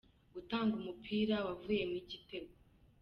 gutanga umupira wavuyemo igitego.